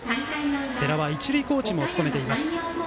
世良は一塁コーチも務めています。